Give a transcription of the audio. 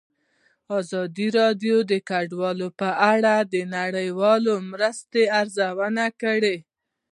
ازادي راډیو د کډوال په اړه د نړیوالو مرستو ارزونه کړې.